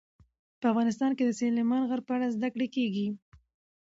افغانستان کې د سلیمان غر په اړه زده کړه کېږي.